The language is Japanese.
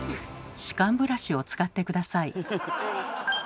歯間ブラシを使って下さい。